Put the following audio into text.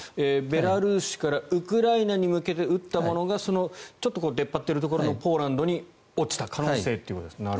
ベラルーシからウクライナに向けて撃ったものがちょっと出っ張っているところのポーランドに落ちた可能性ということですね。